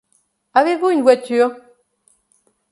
Avez-vous une voiture ?